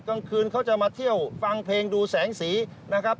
กลางคืนเขาจะมาเที่ยวฟังเพลงดูแสงสีนะครับ